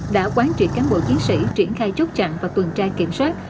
đã quán trị cán bộ chiến sĩ triển khai chốt chặn và tuần tra kiểm soát